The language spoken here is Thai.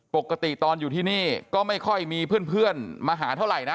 ปกติตอนอยู่ที่นี่ก็ไม่ค่อยมีเพื่อนมาหาเท่าไหร่นะ